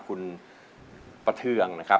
คุณประเทืองนะครับ